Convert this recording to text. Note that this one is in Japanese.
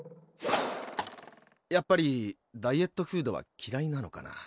やっぱりダイエットフードは嫌いなのかなあ。